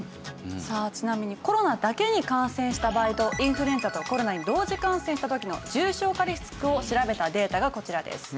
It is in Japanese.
さあちなみにコロナだけに感染した場合とインフルエンザとコロナに同時感染した時の重症化リスクを調べたデータがこちらです。